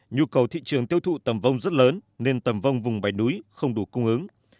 nhu cầu thị trường tiêu thụ tầm vóng rất lớn nên tầm vông vùng bảy núi không đủ cung ứng